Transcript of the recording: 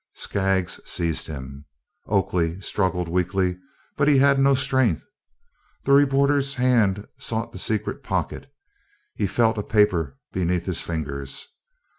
Skaggs seized him. Oakley struggled weakly, but he had no strength. The reporter's hand sought the secret pocket. He felt a paper beneath his fingers.